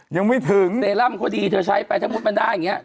ยังไม่ถึงเซรั่มก็ดีเธอใช้ไปถ้ามุติมันได้อย่างนี้